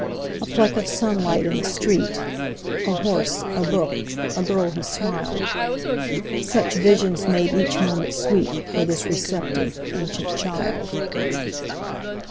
A fleck of sunlight in the street,A horse, a book, a girl who smiled,—Such visions made each moment sweetFor this receptive, ancient child.